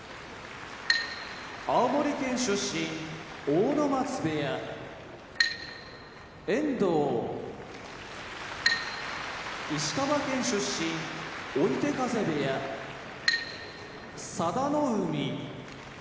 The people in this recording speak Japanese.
青森県出身阿武松部屋遠藤石川県出身追手風部屋佐田の海